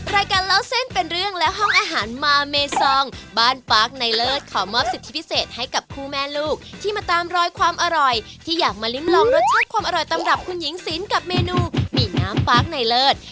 รายการเล่าเส้นเป็นเรื่องและห้องอาหารมาเมซองบ้านปาร์คในเลิศขอมอบสิทธิพิเศษให้กับคู่แม่ลูกที่มาตามรอยความอร่อยที่อยากมาลิ้มลองรสชาติความอร่อยตำรับคุณหญิงสินกับเมนูหมี่น้ำปาร์คในเลิศ